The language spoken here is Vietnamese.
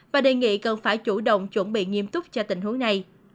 và đề nghị cần phải chủ động chuẩn bị nghiêm túc cho tình huống này